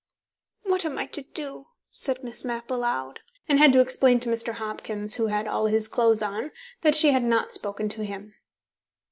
"What am I to do?" said Miss Mapp aloud, and had to explain to Mr. Hopkins, who had all his clothes on, that she had not spoken to him.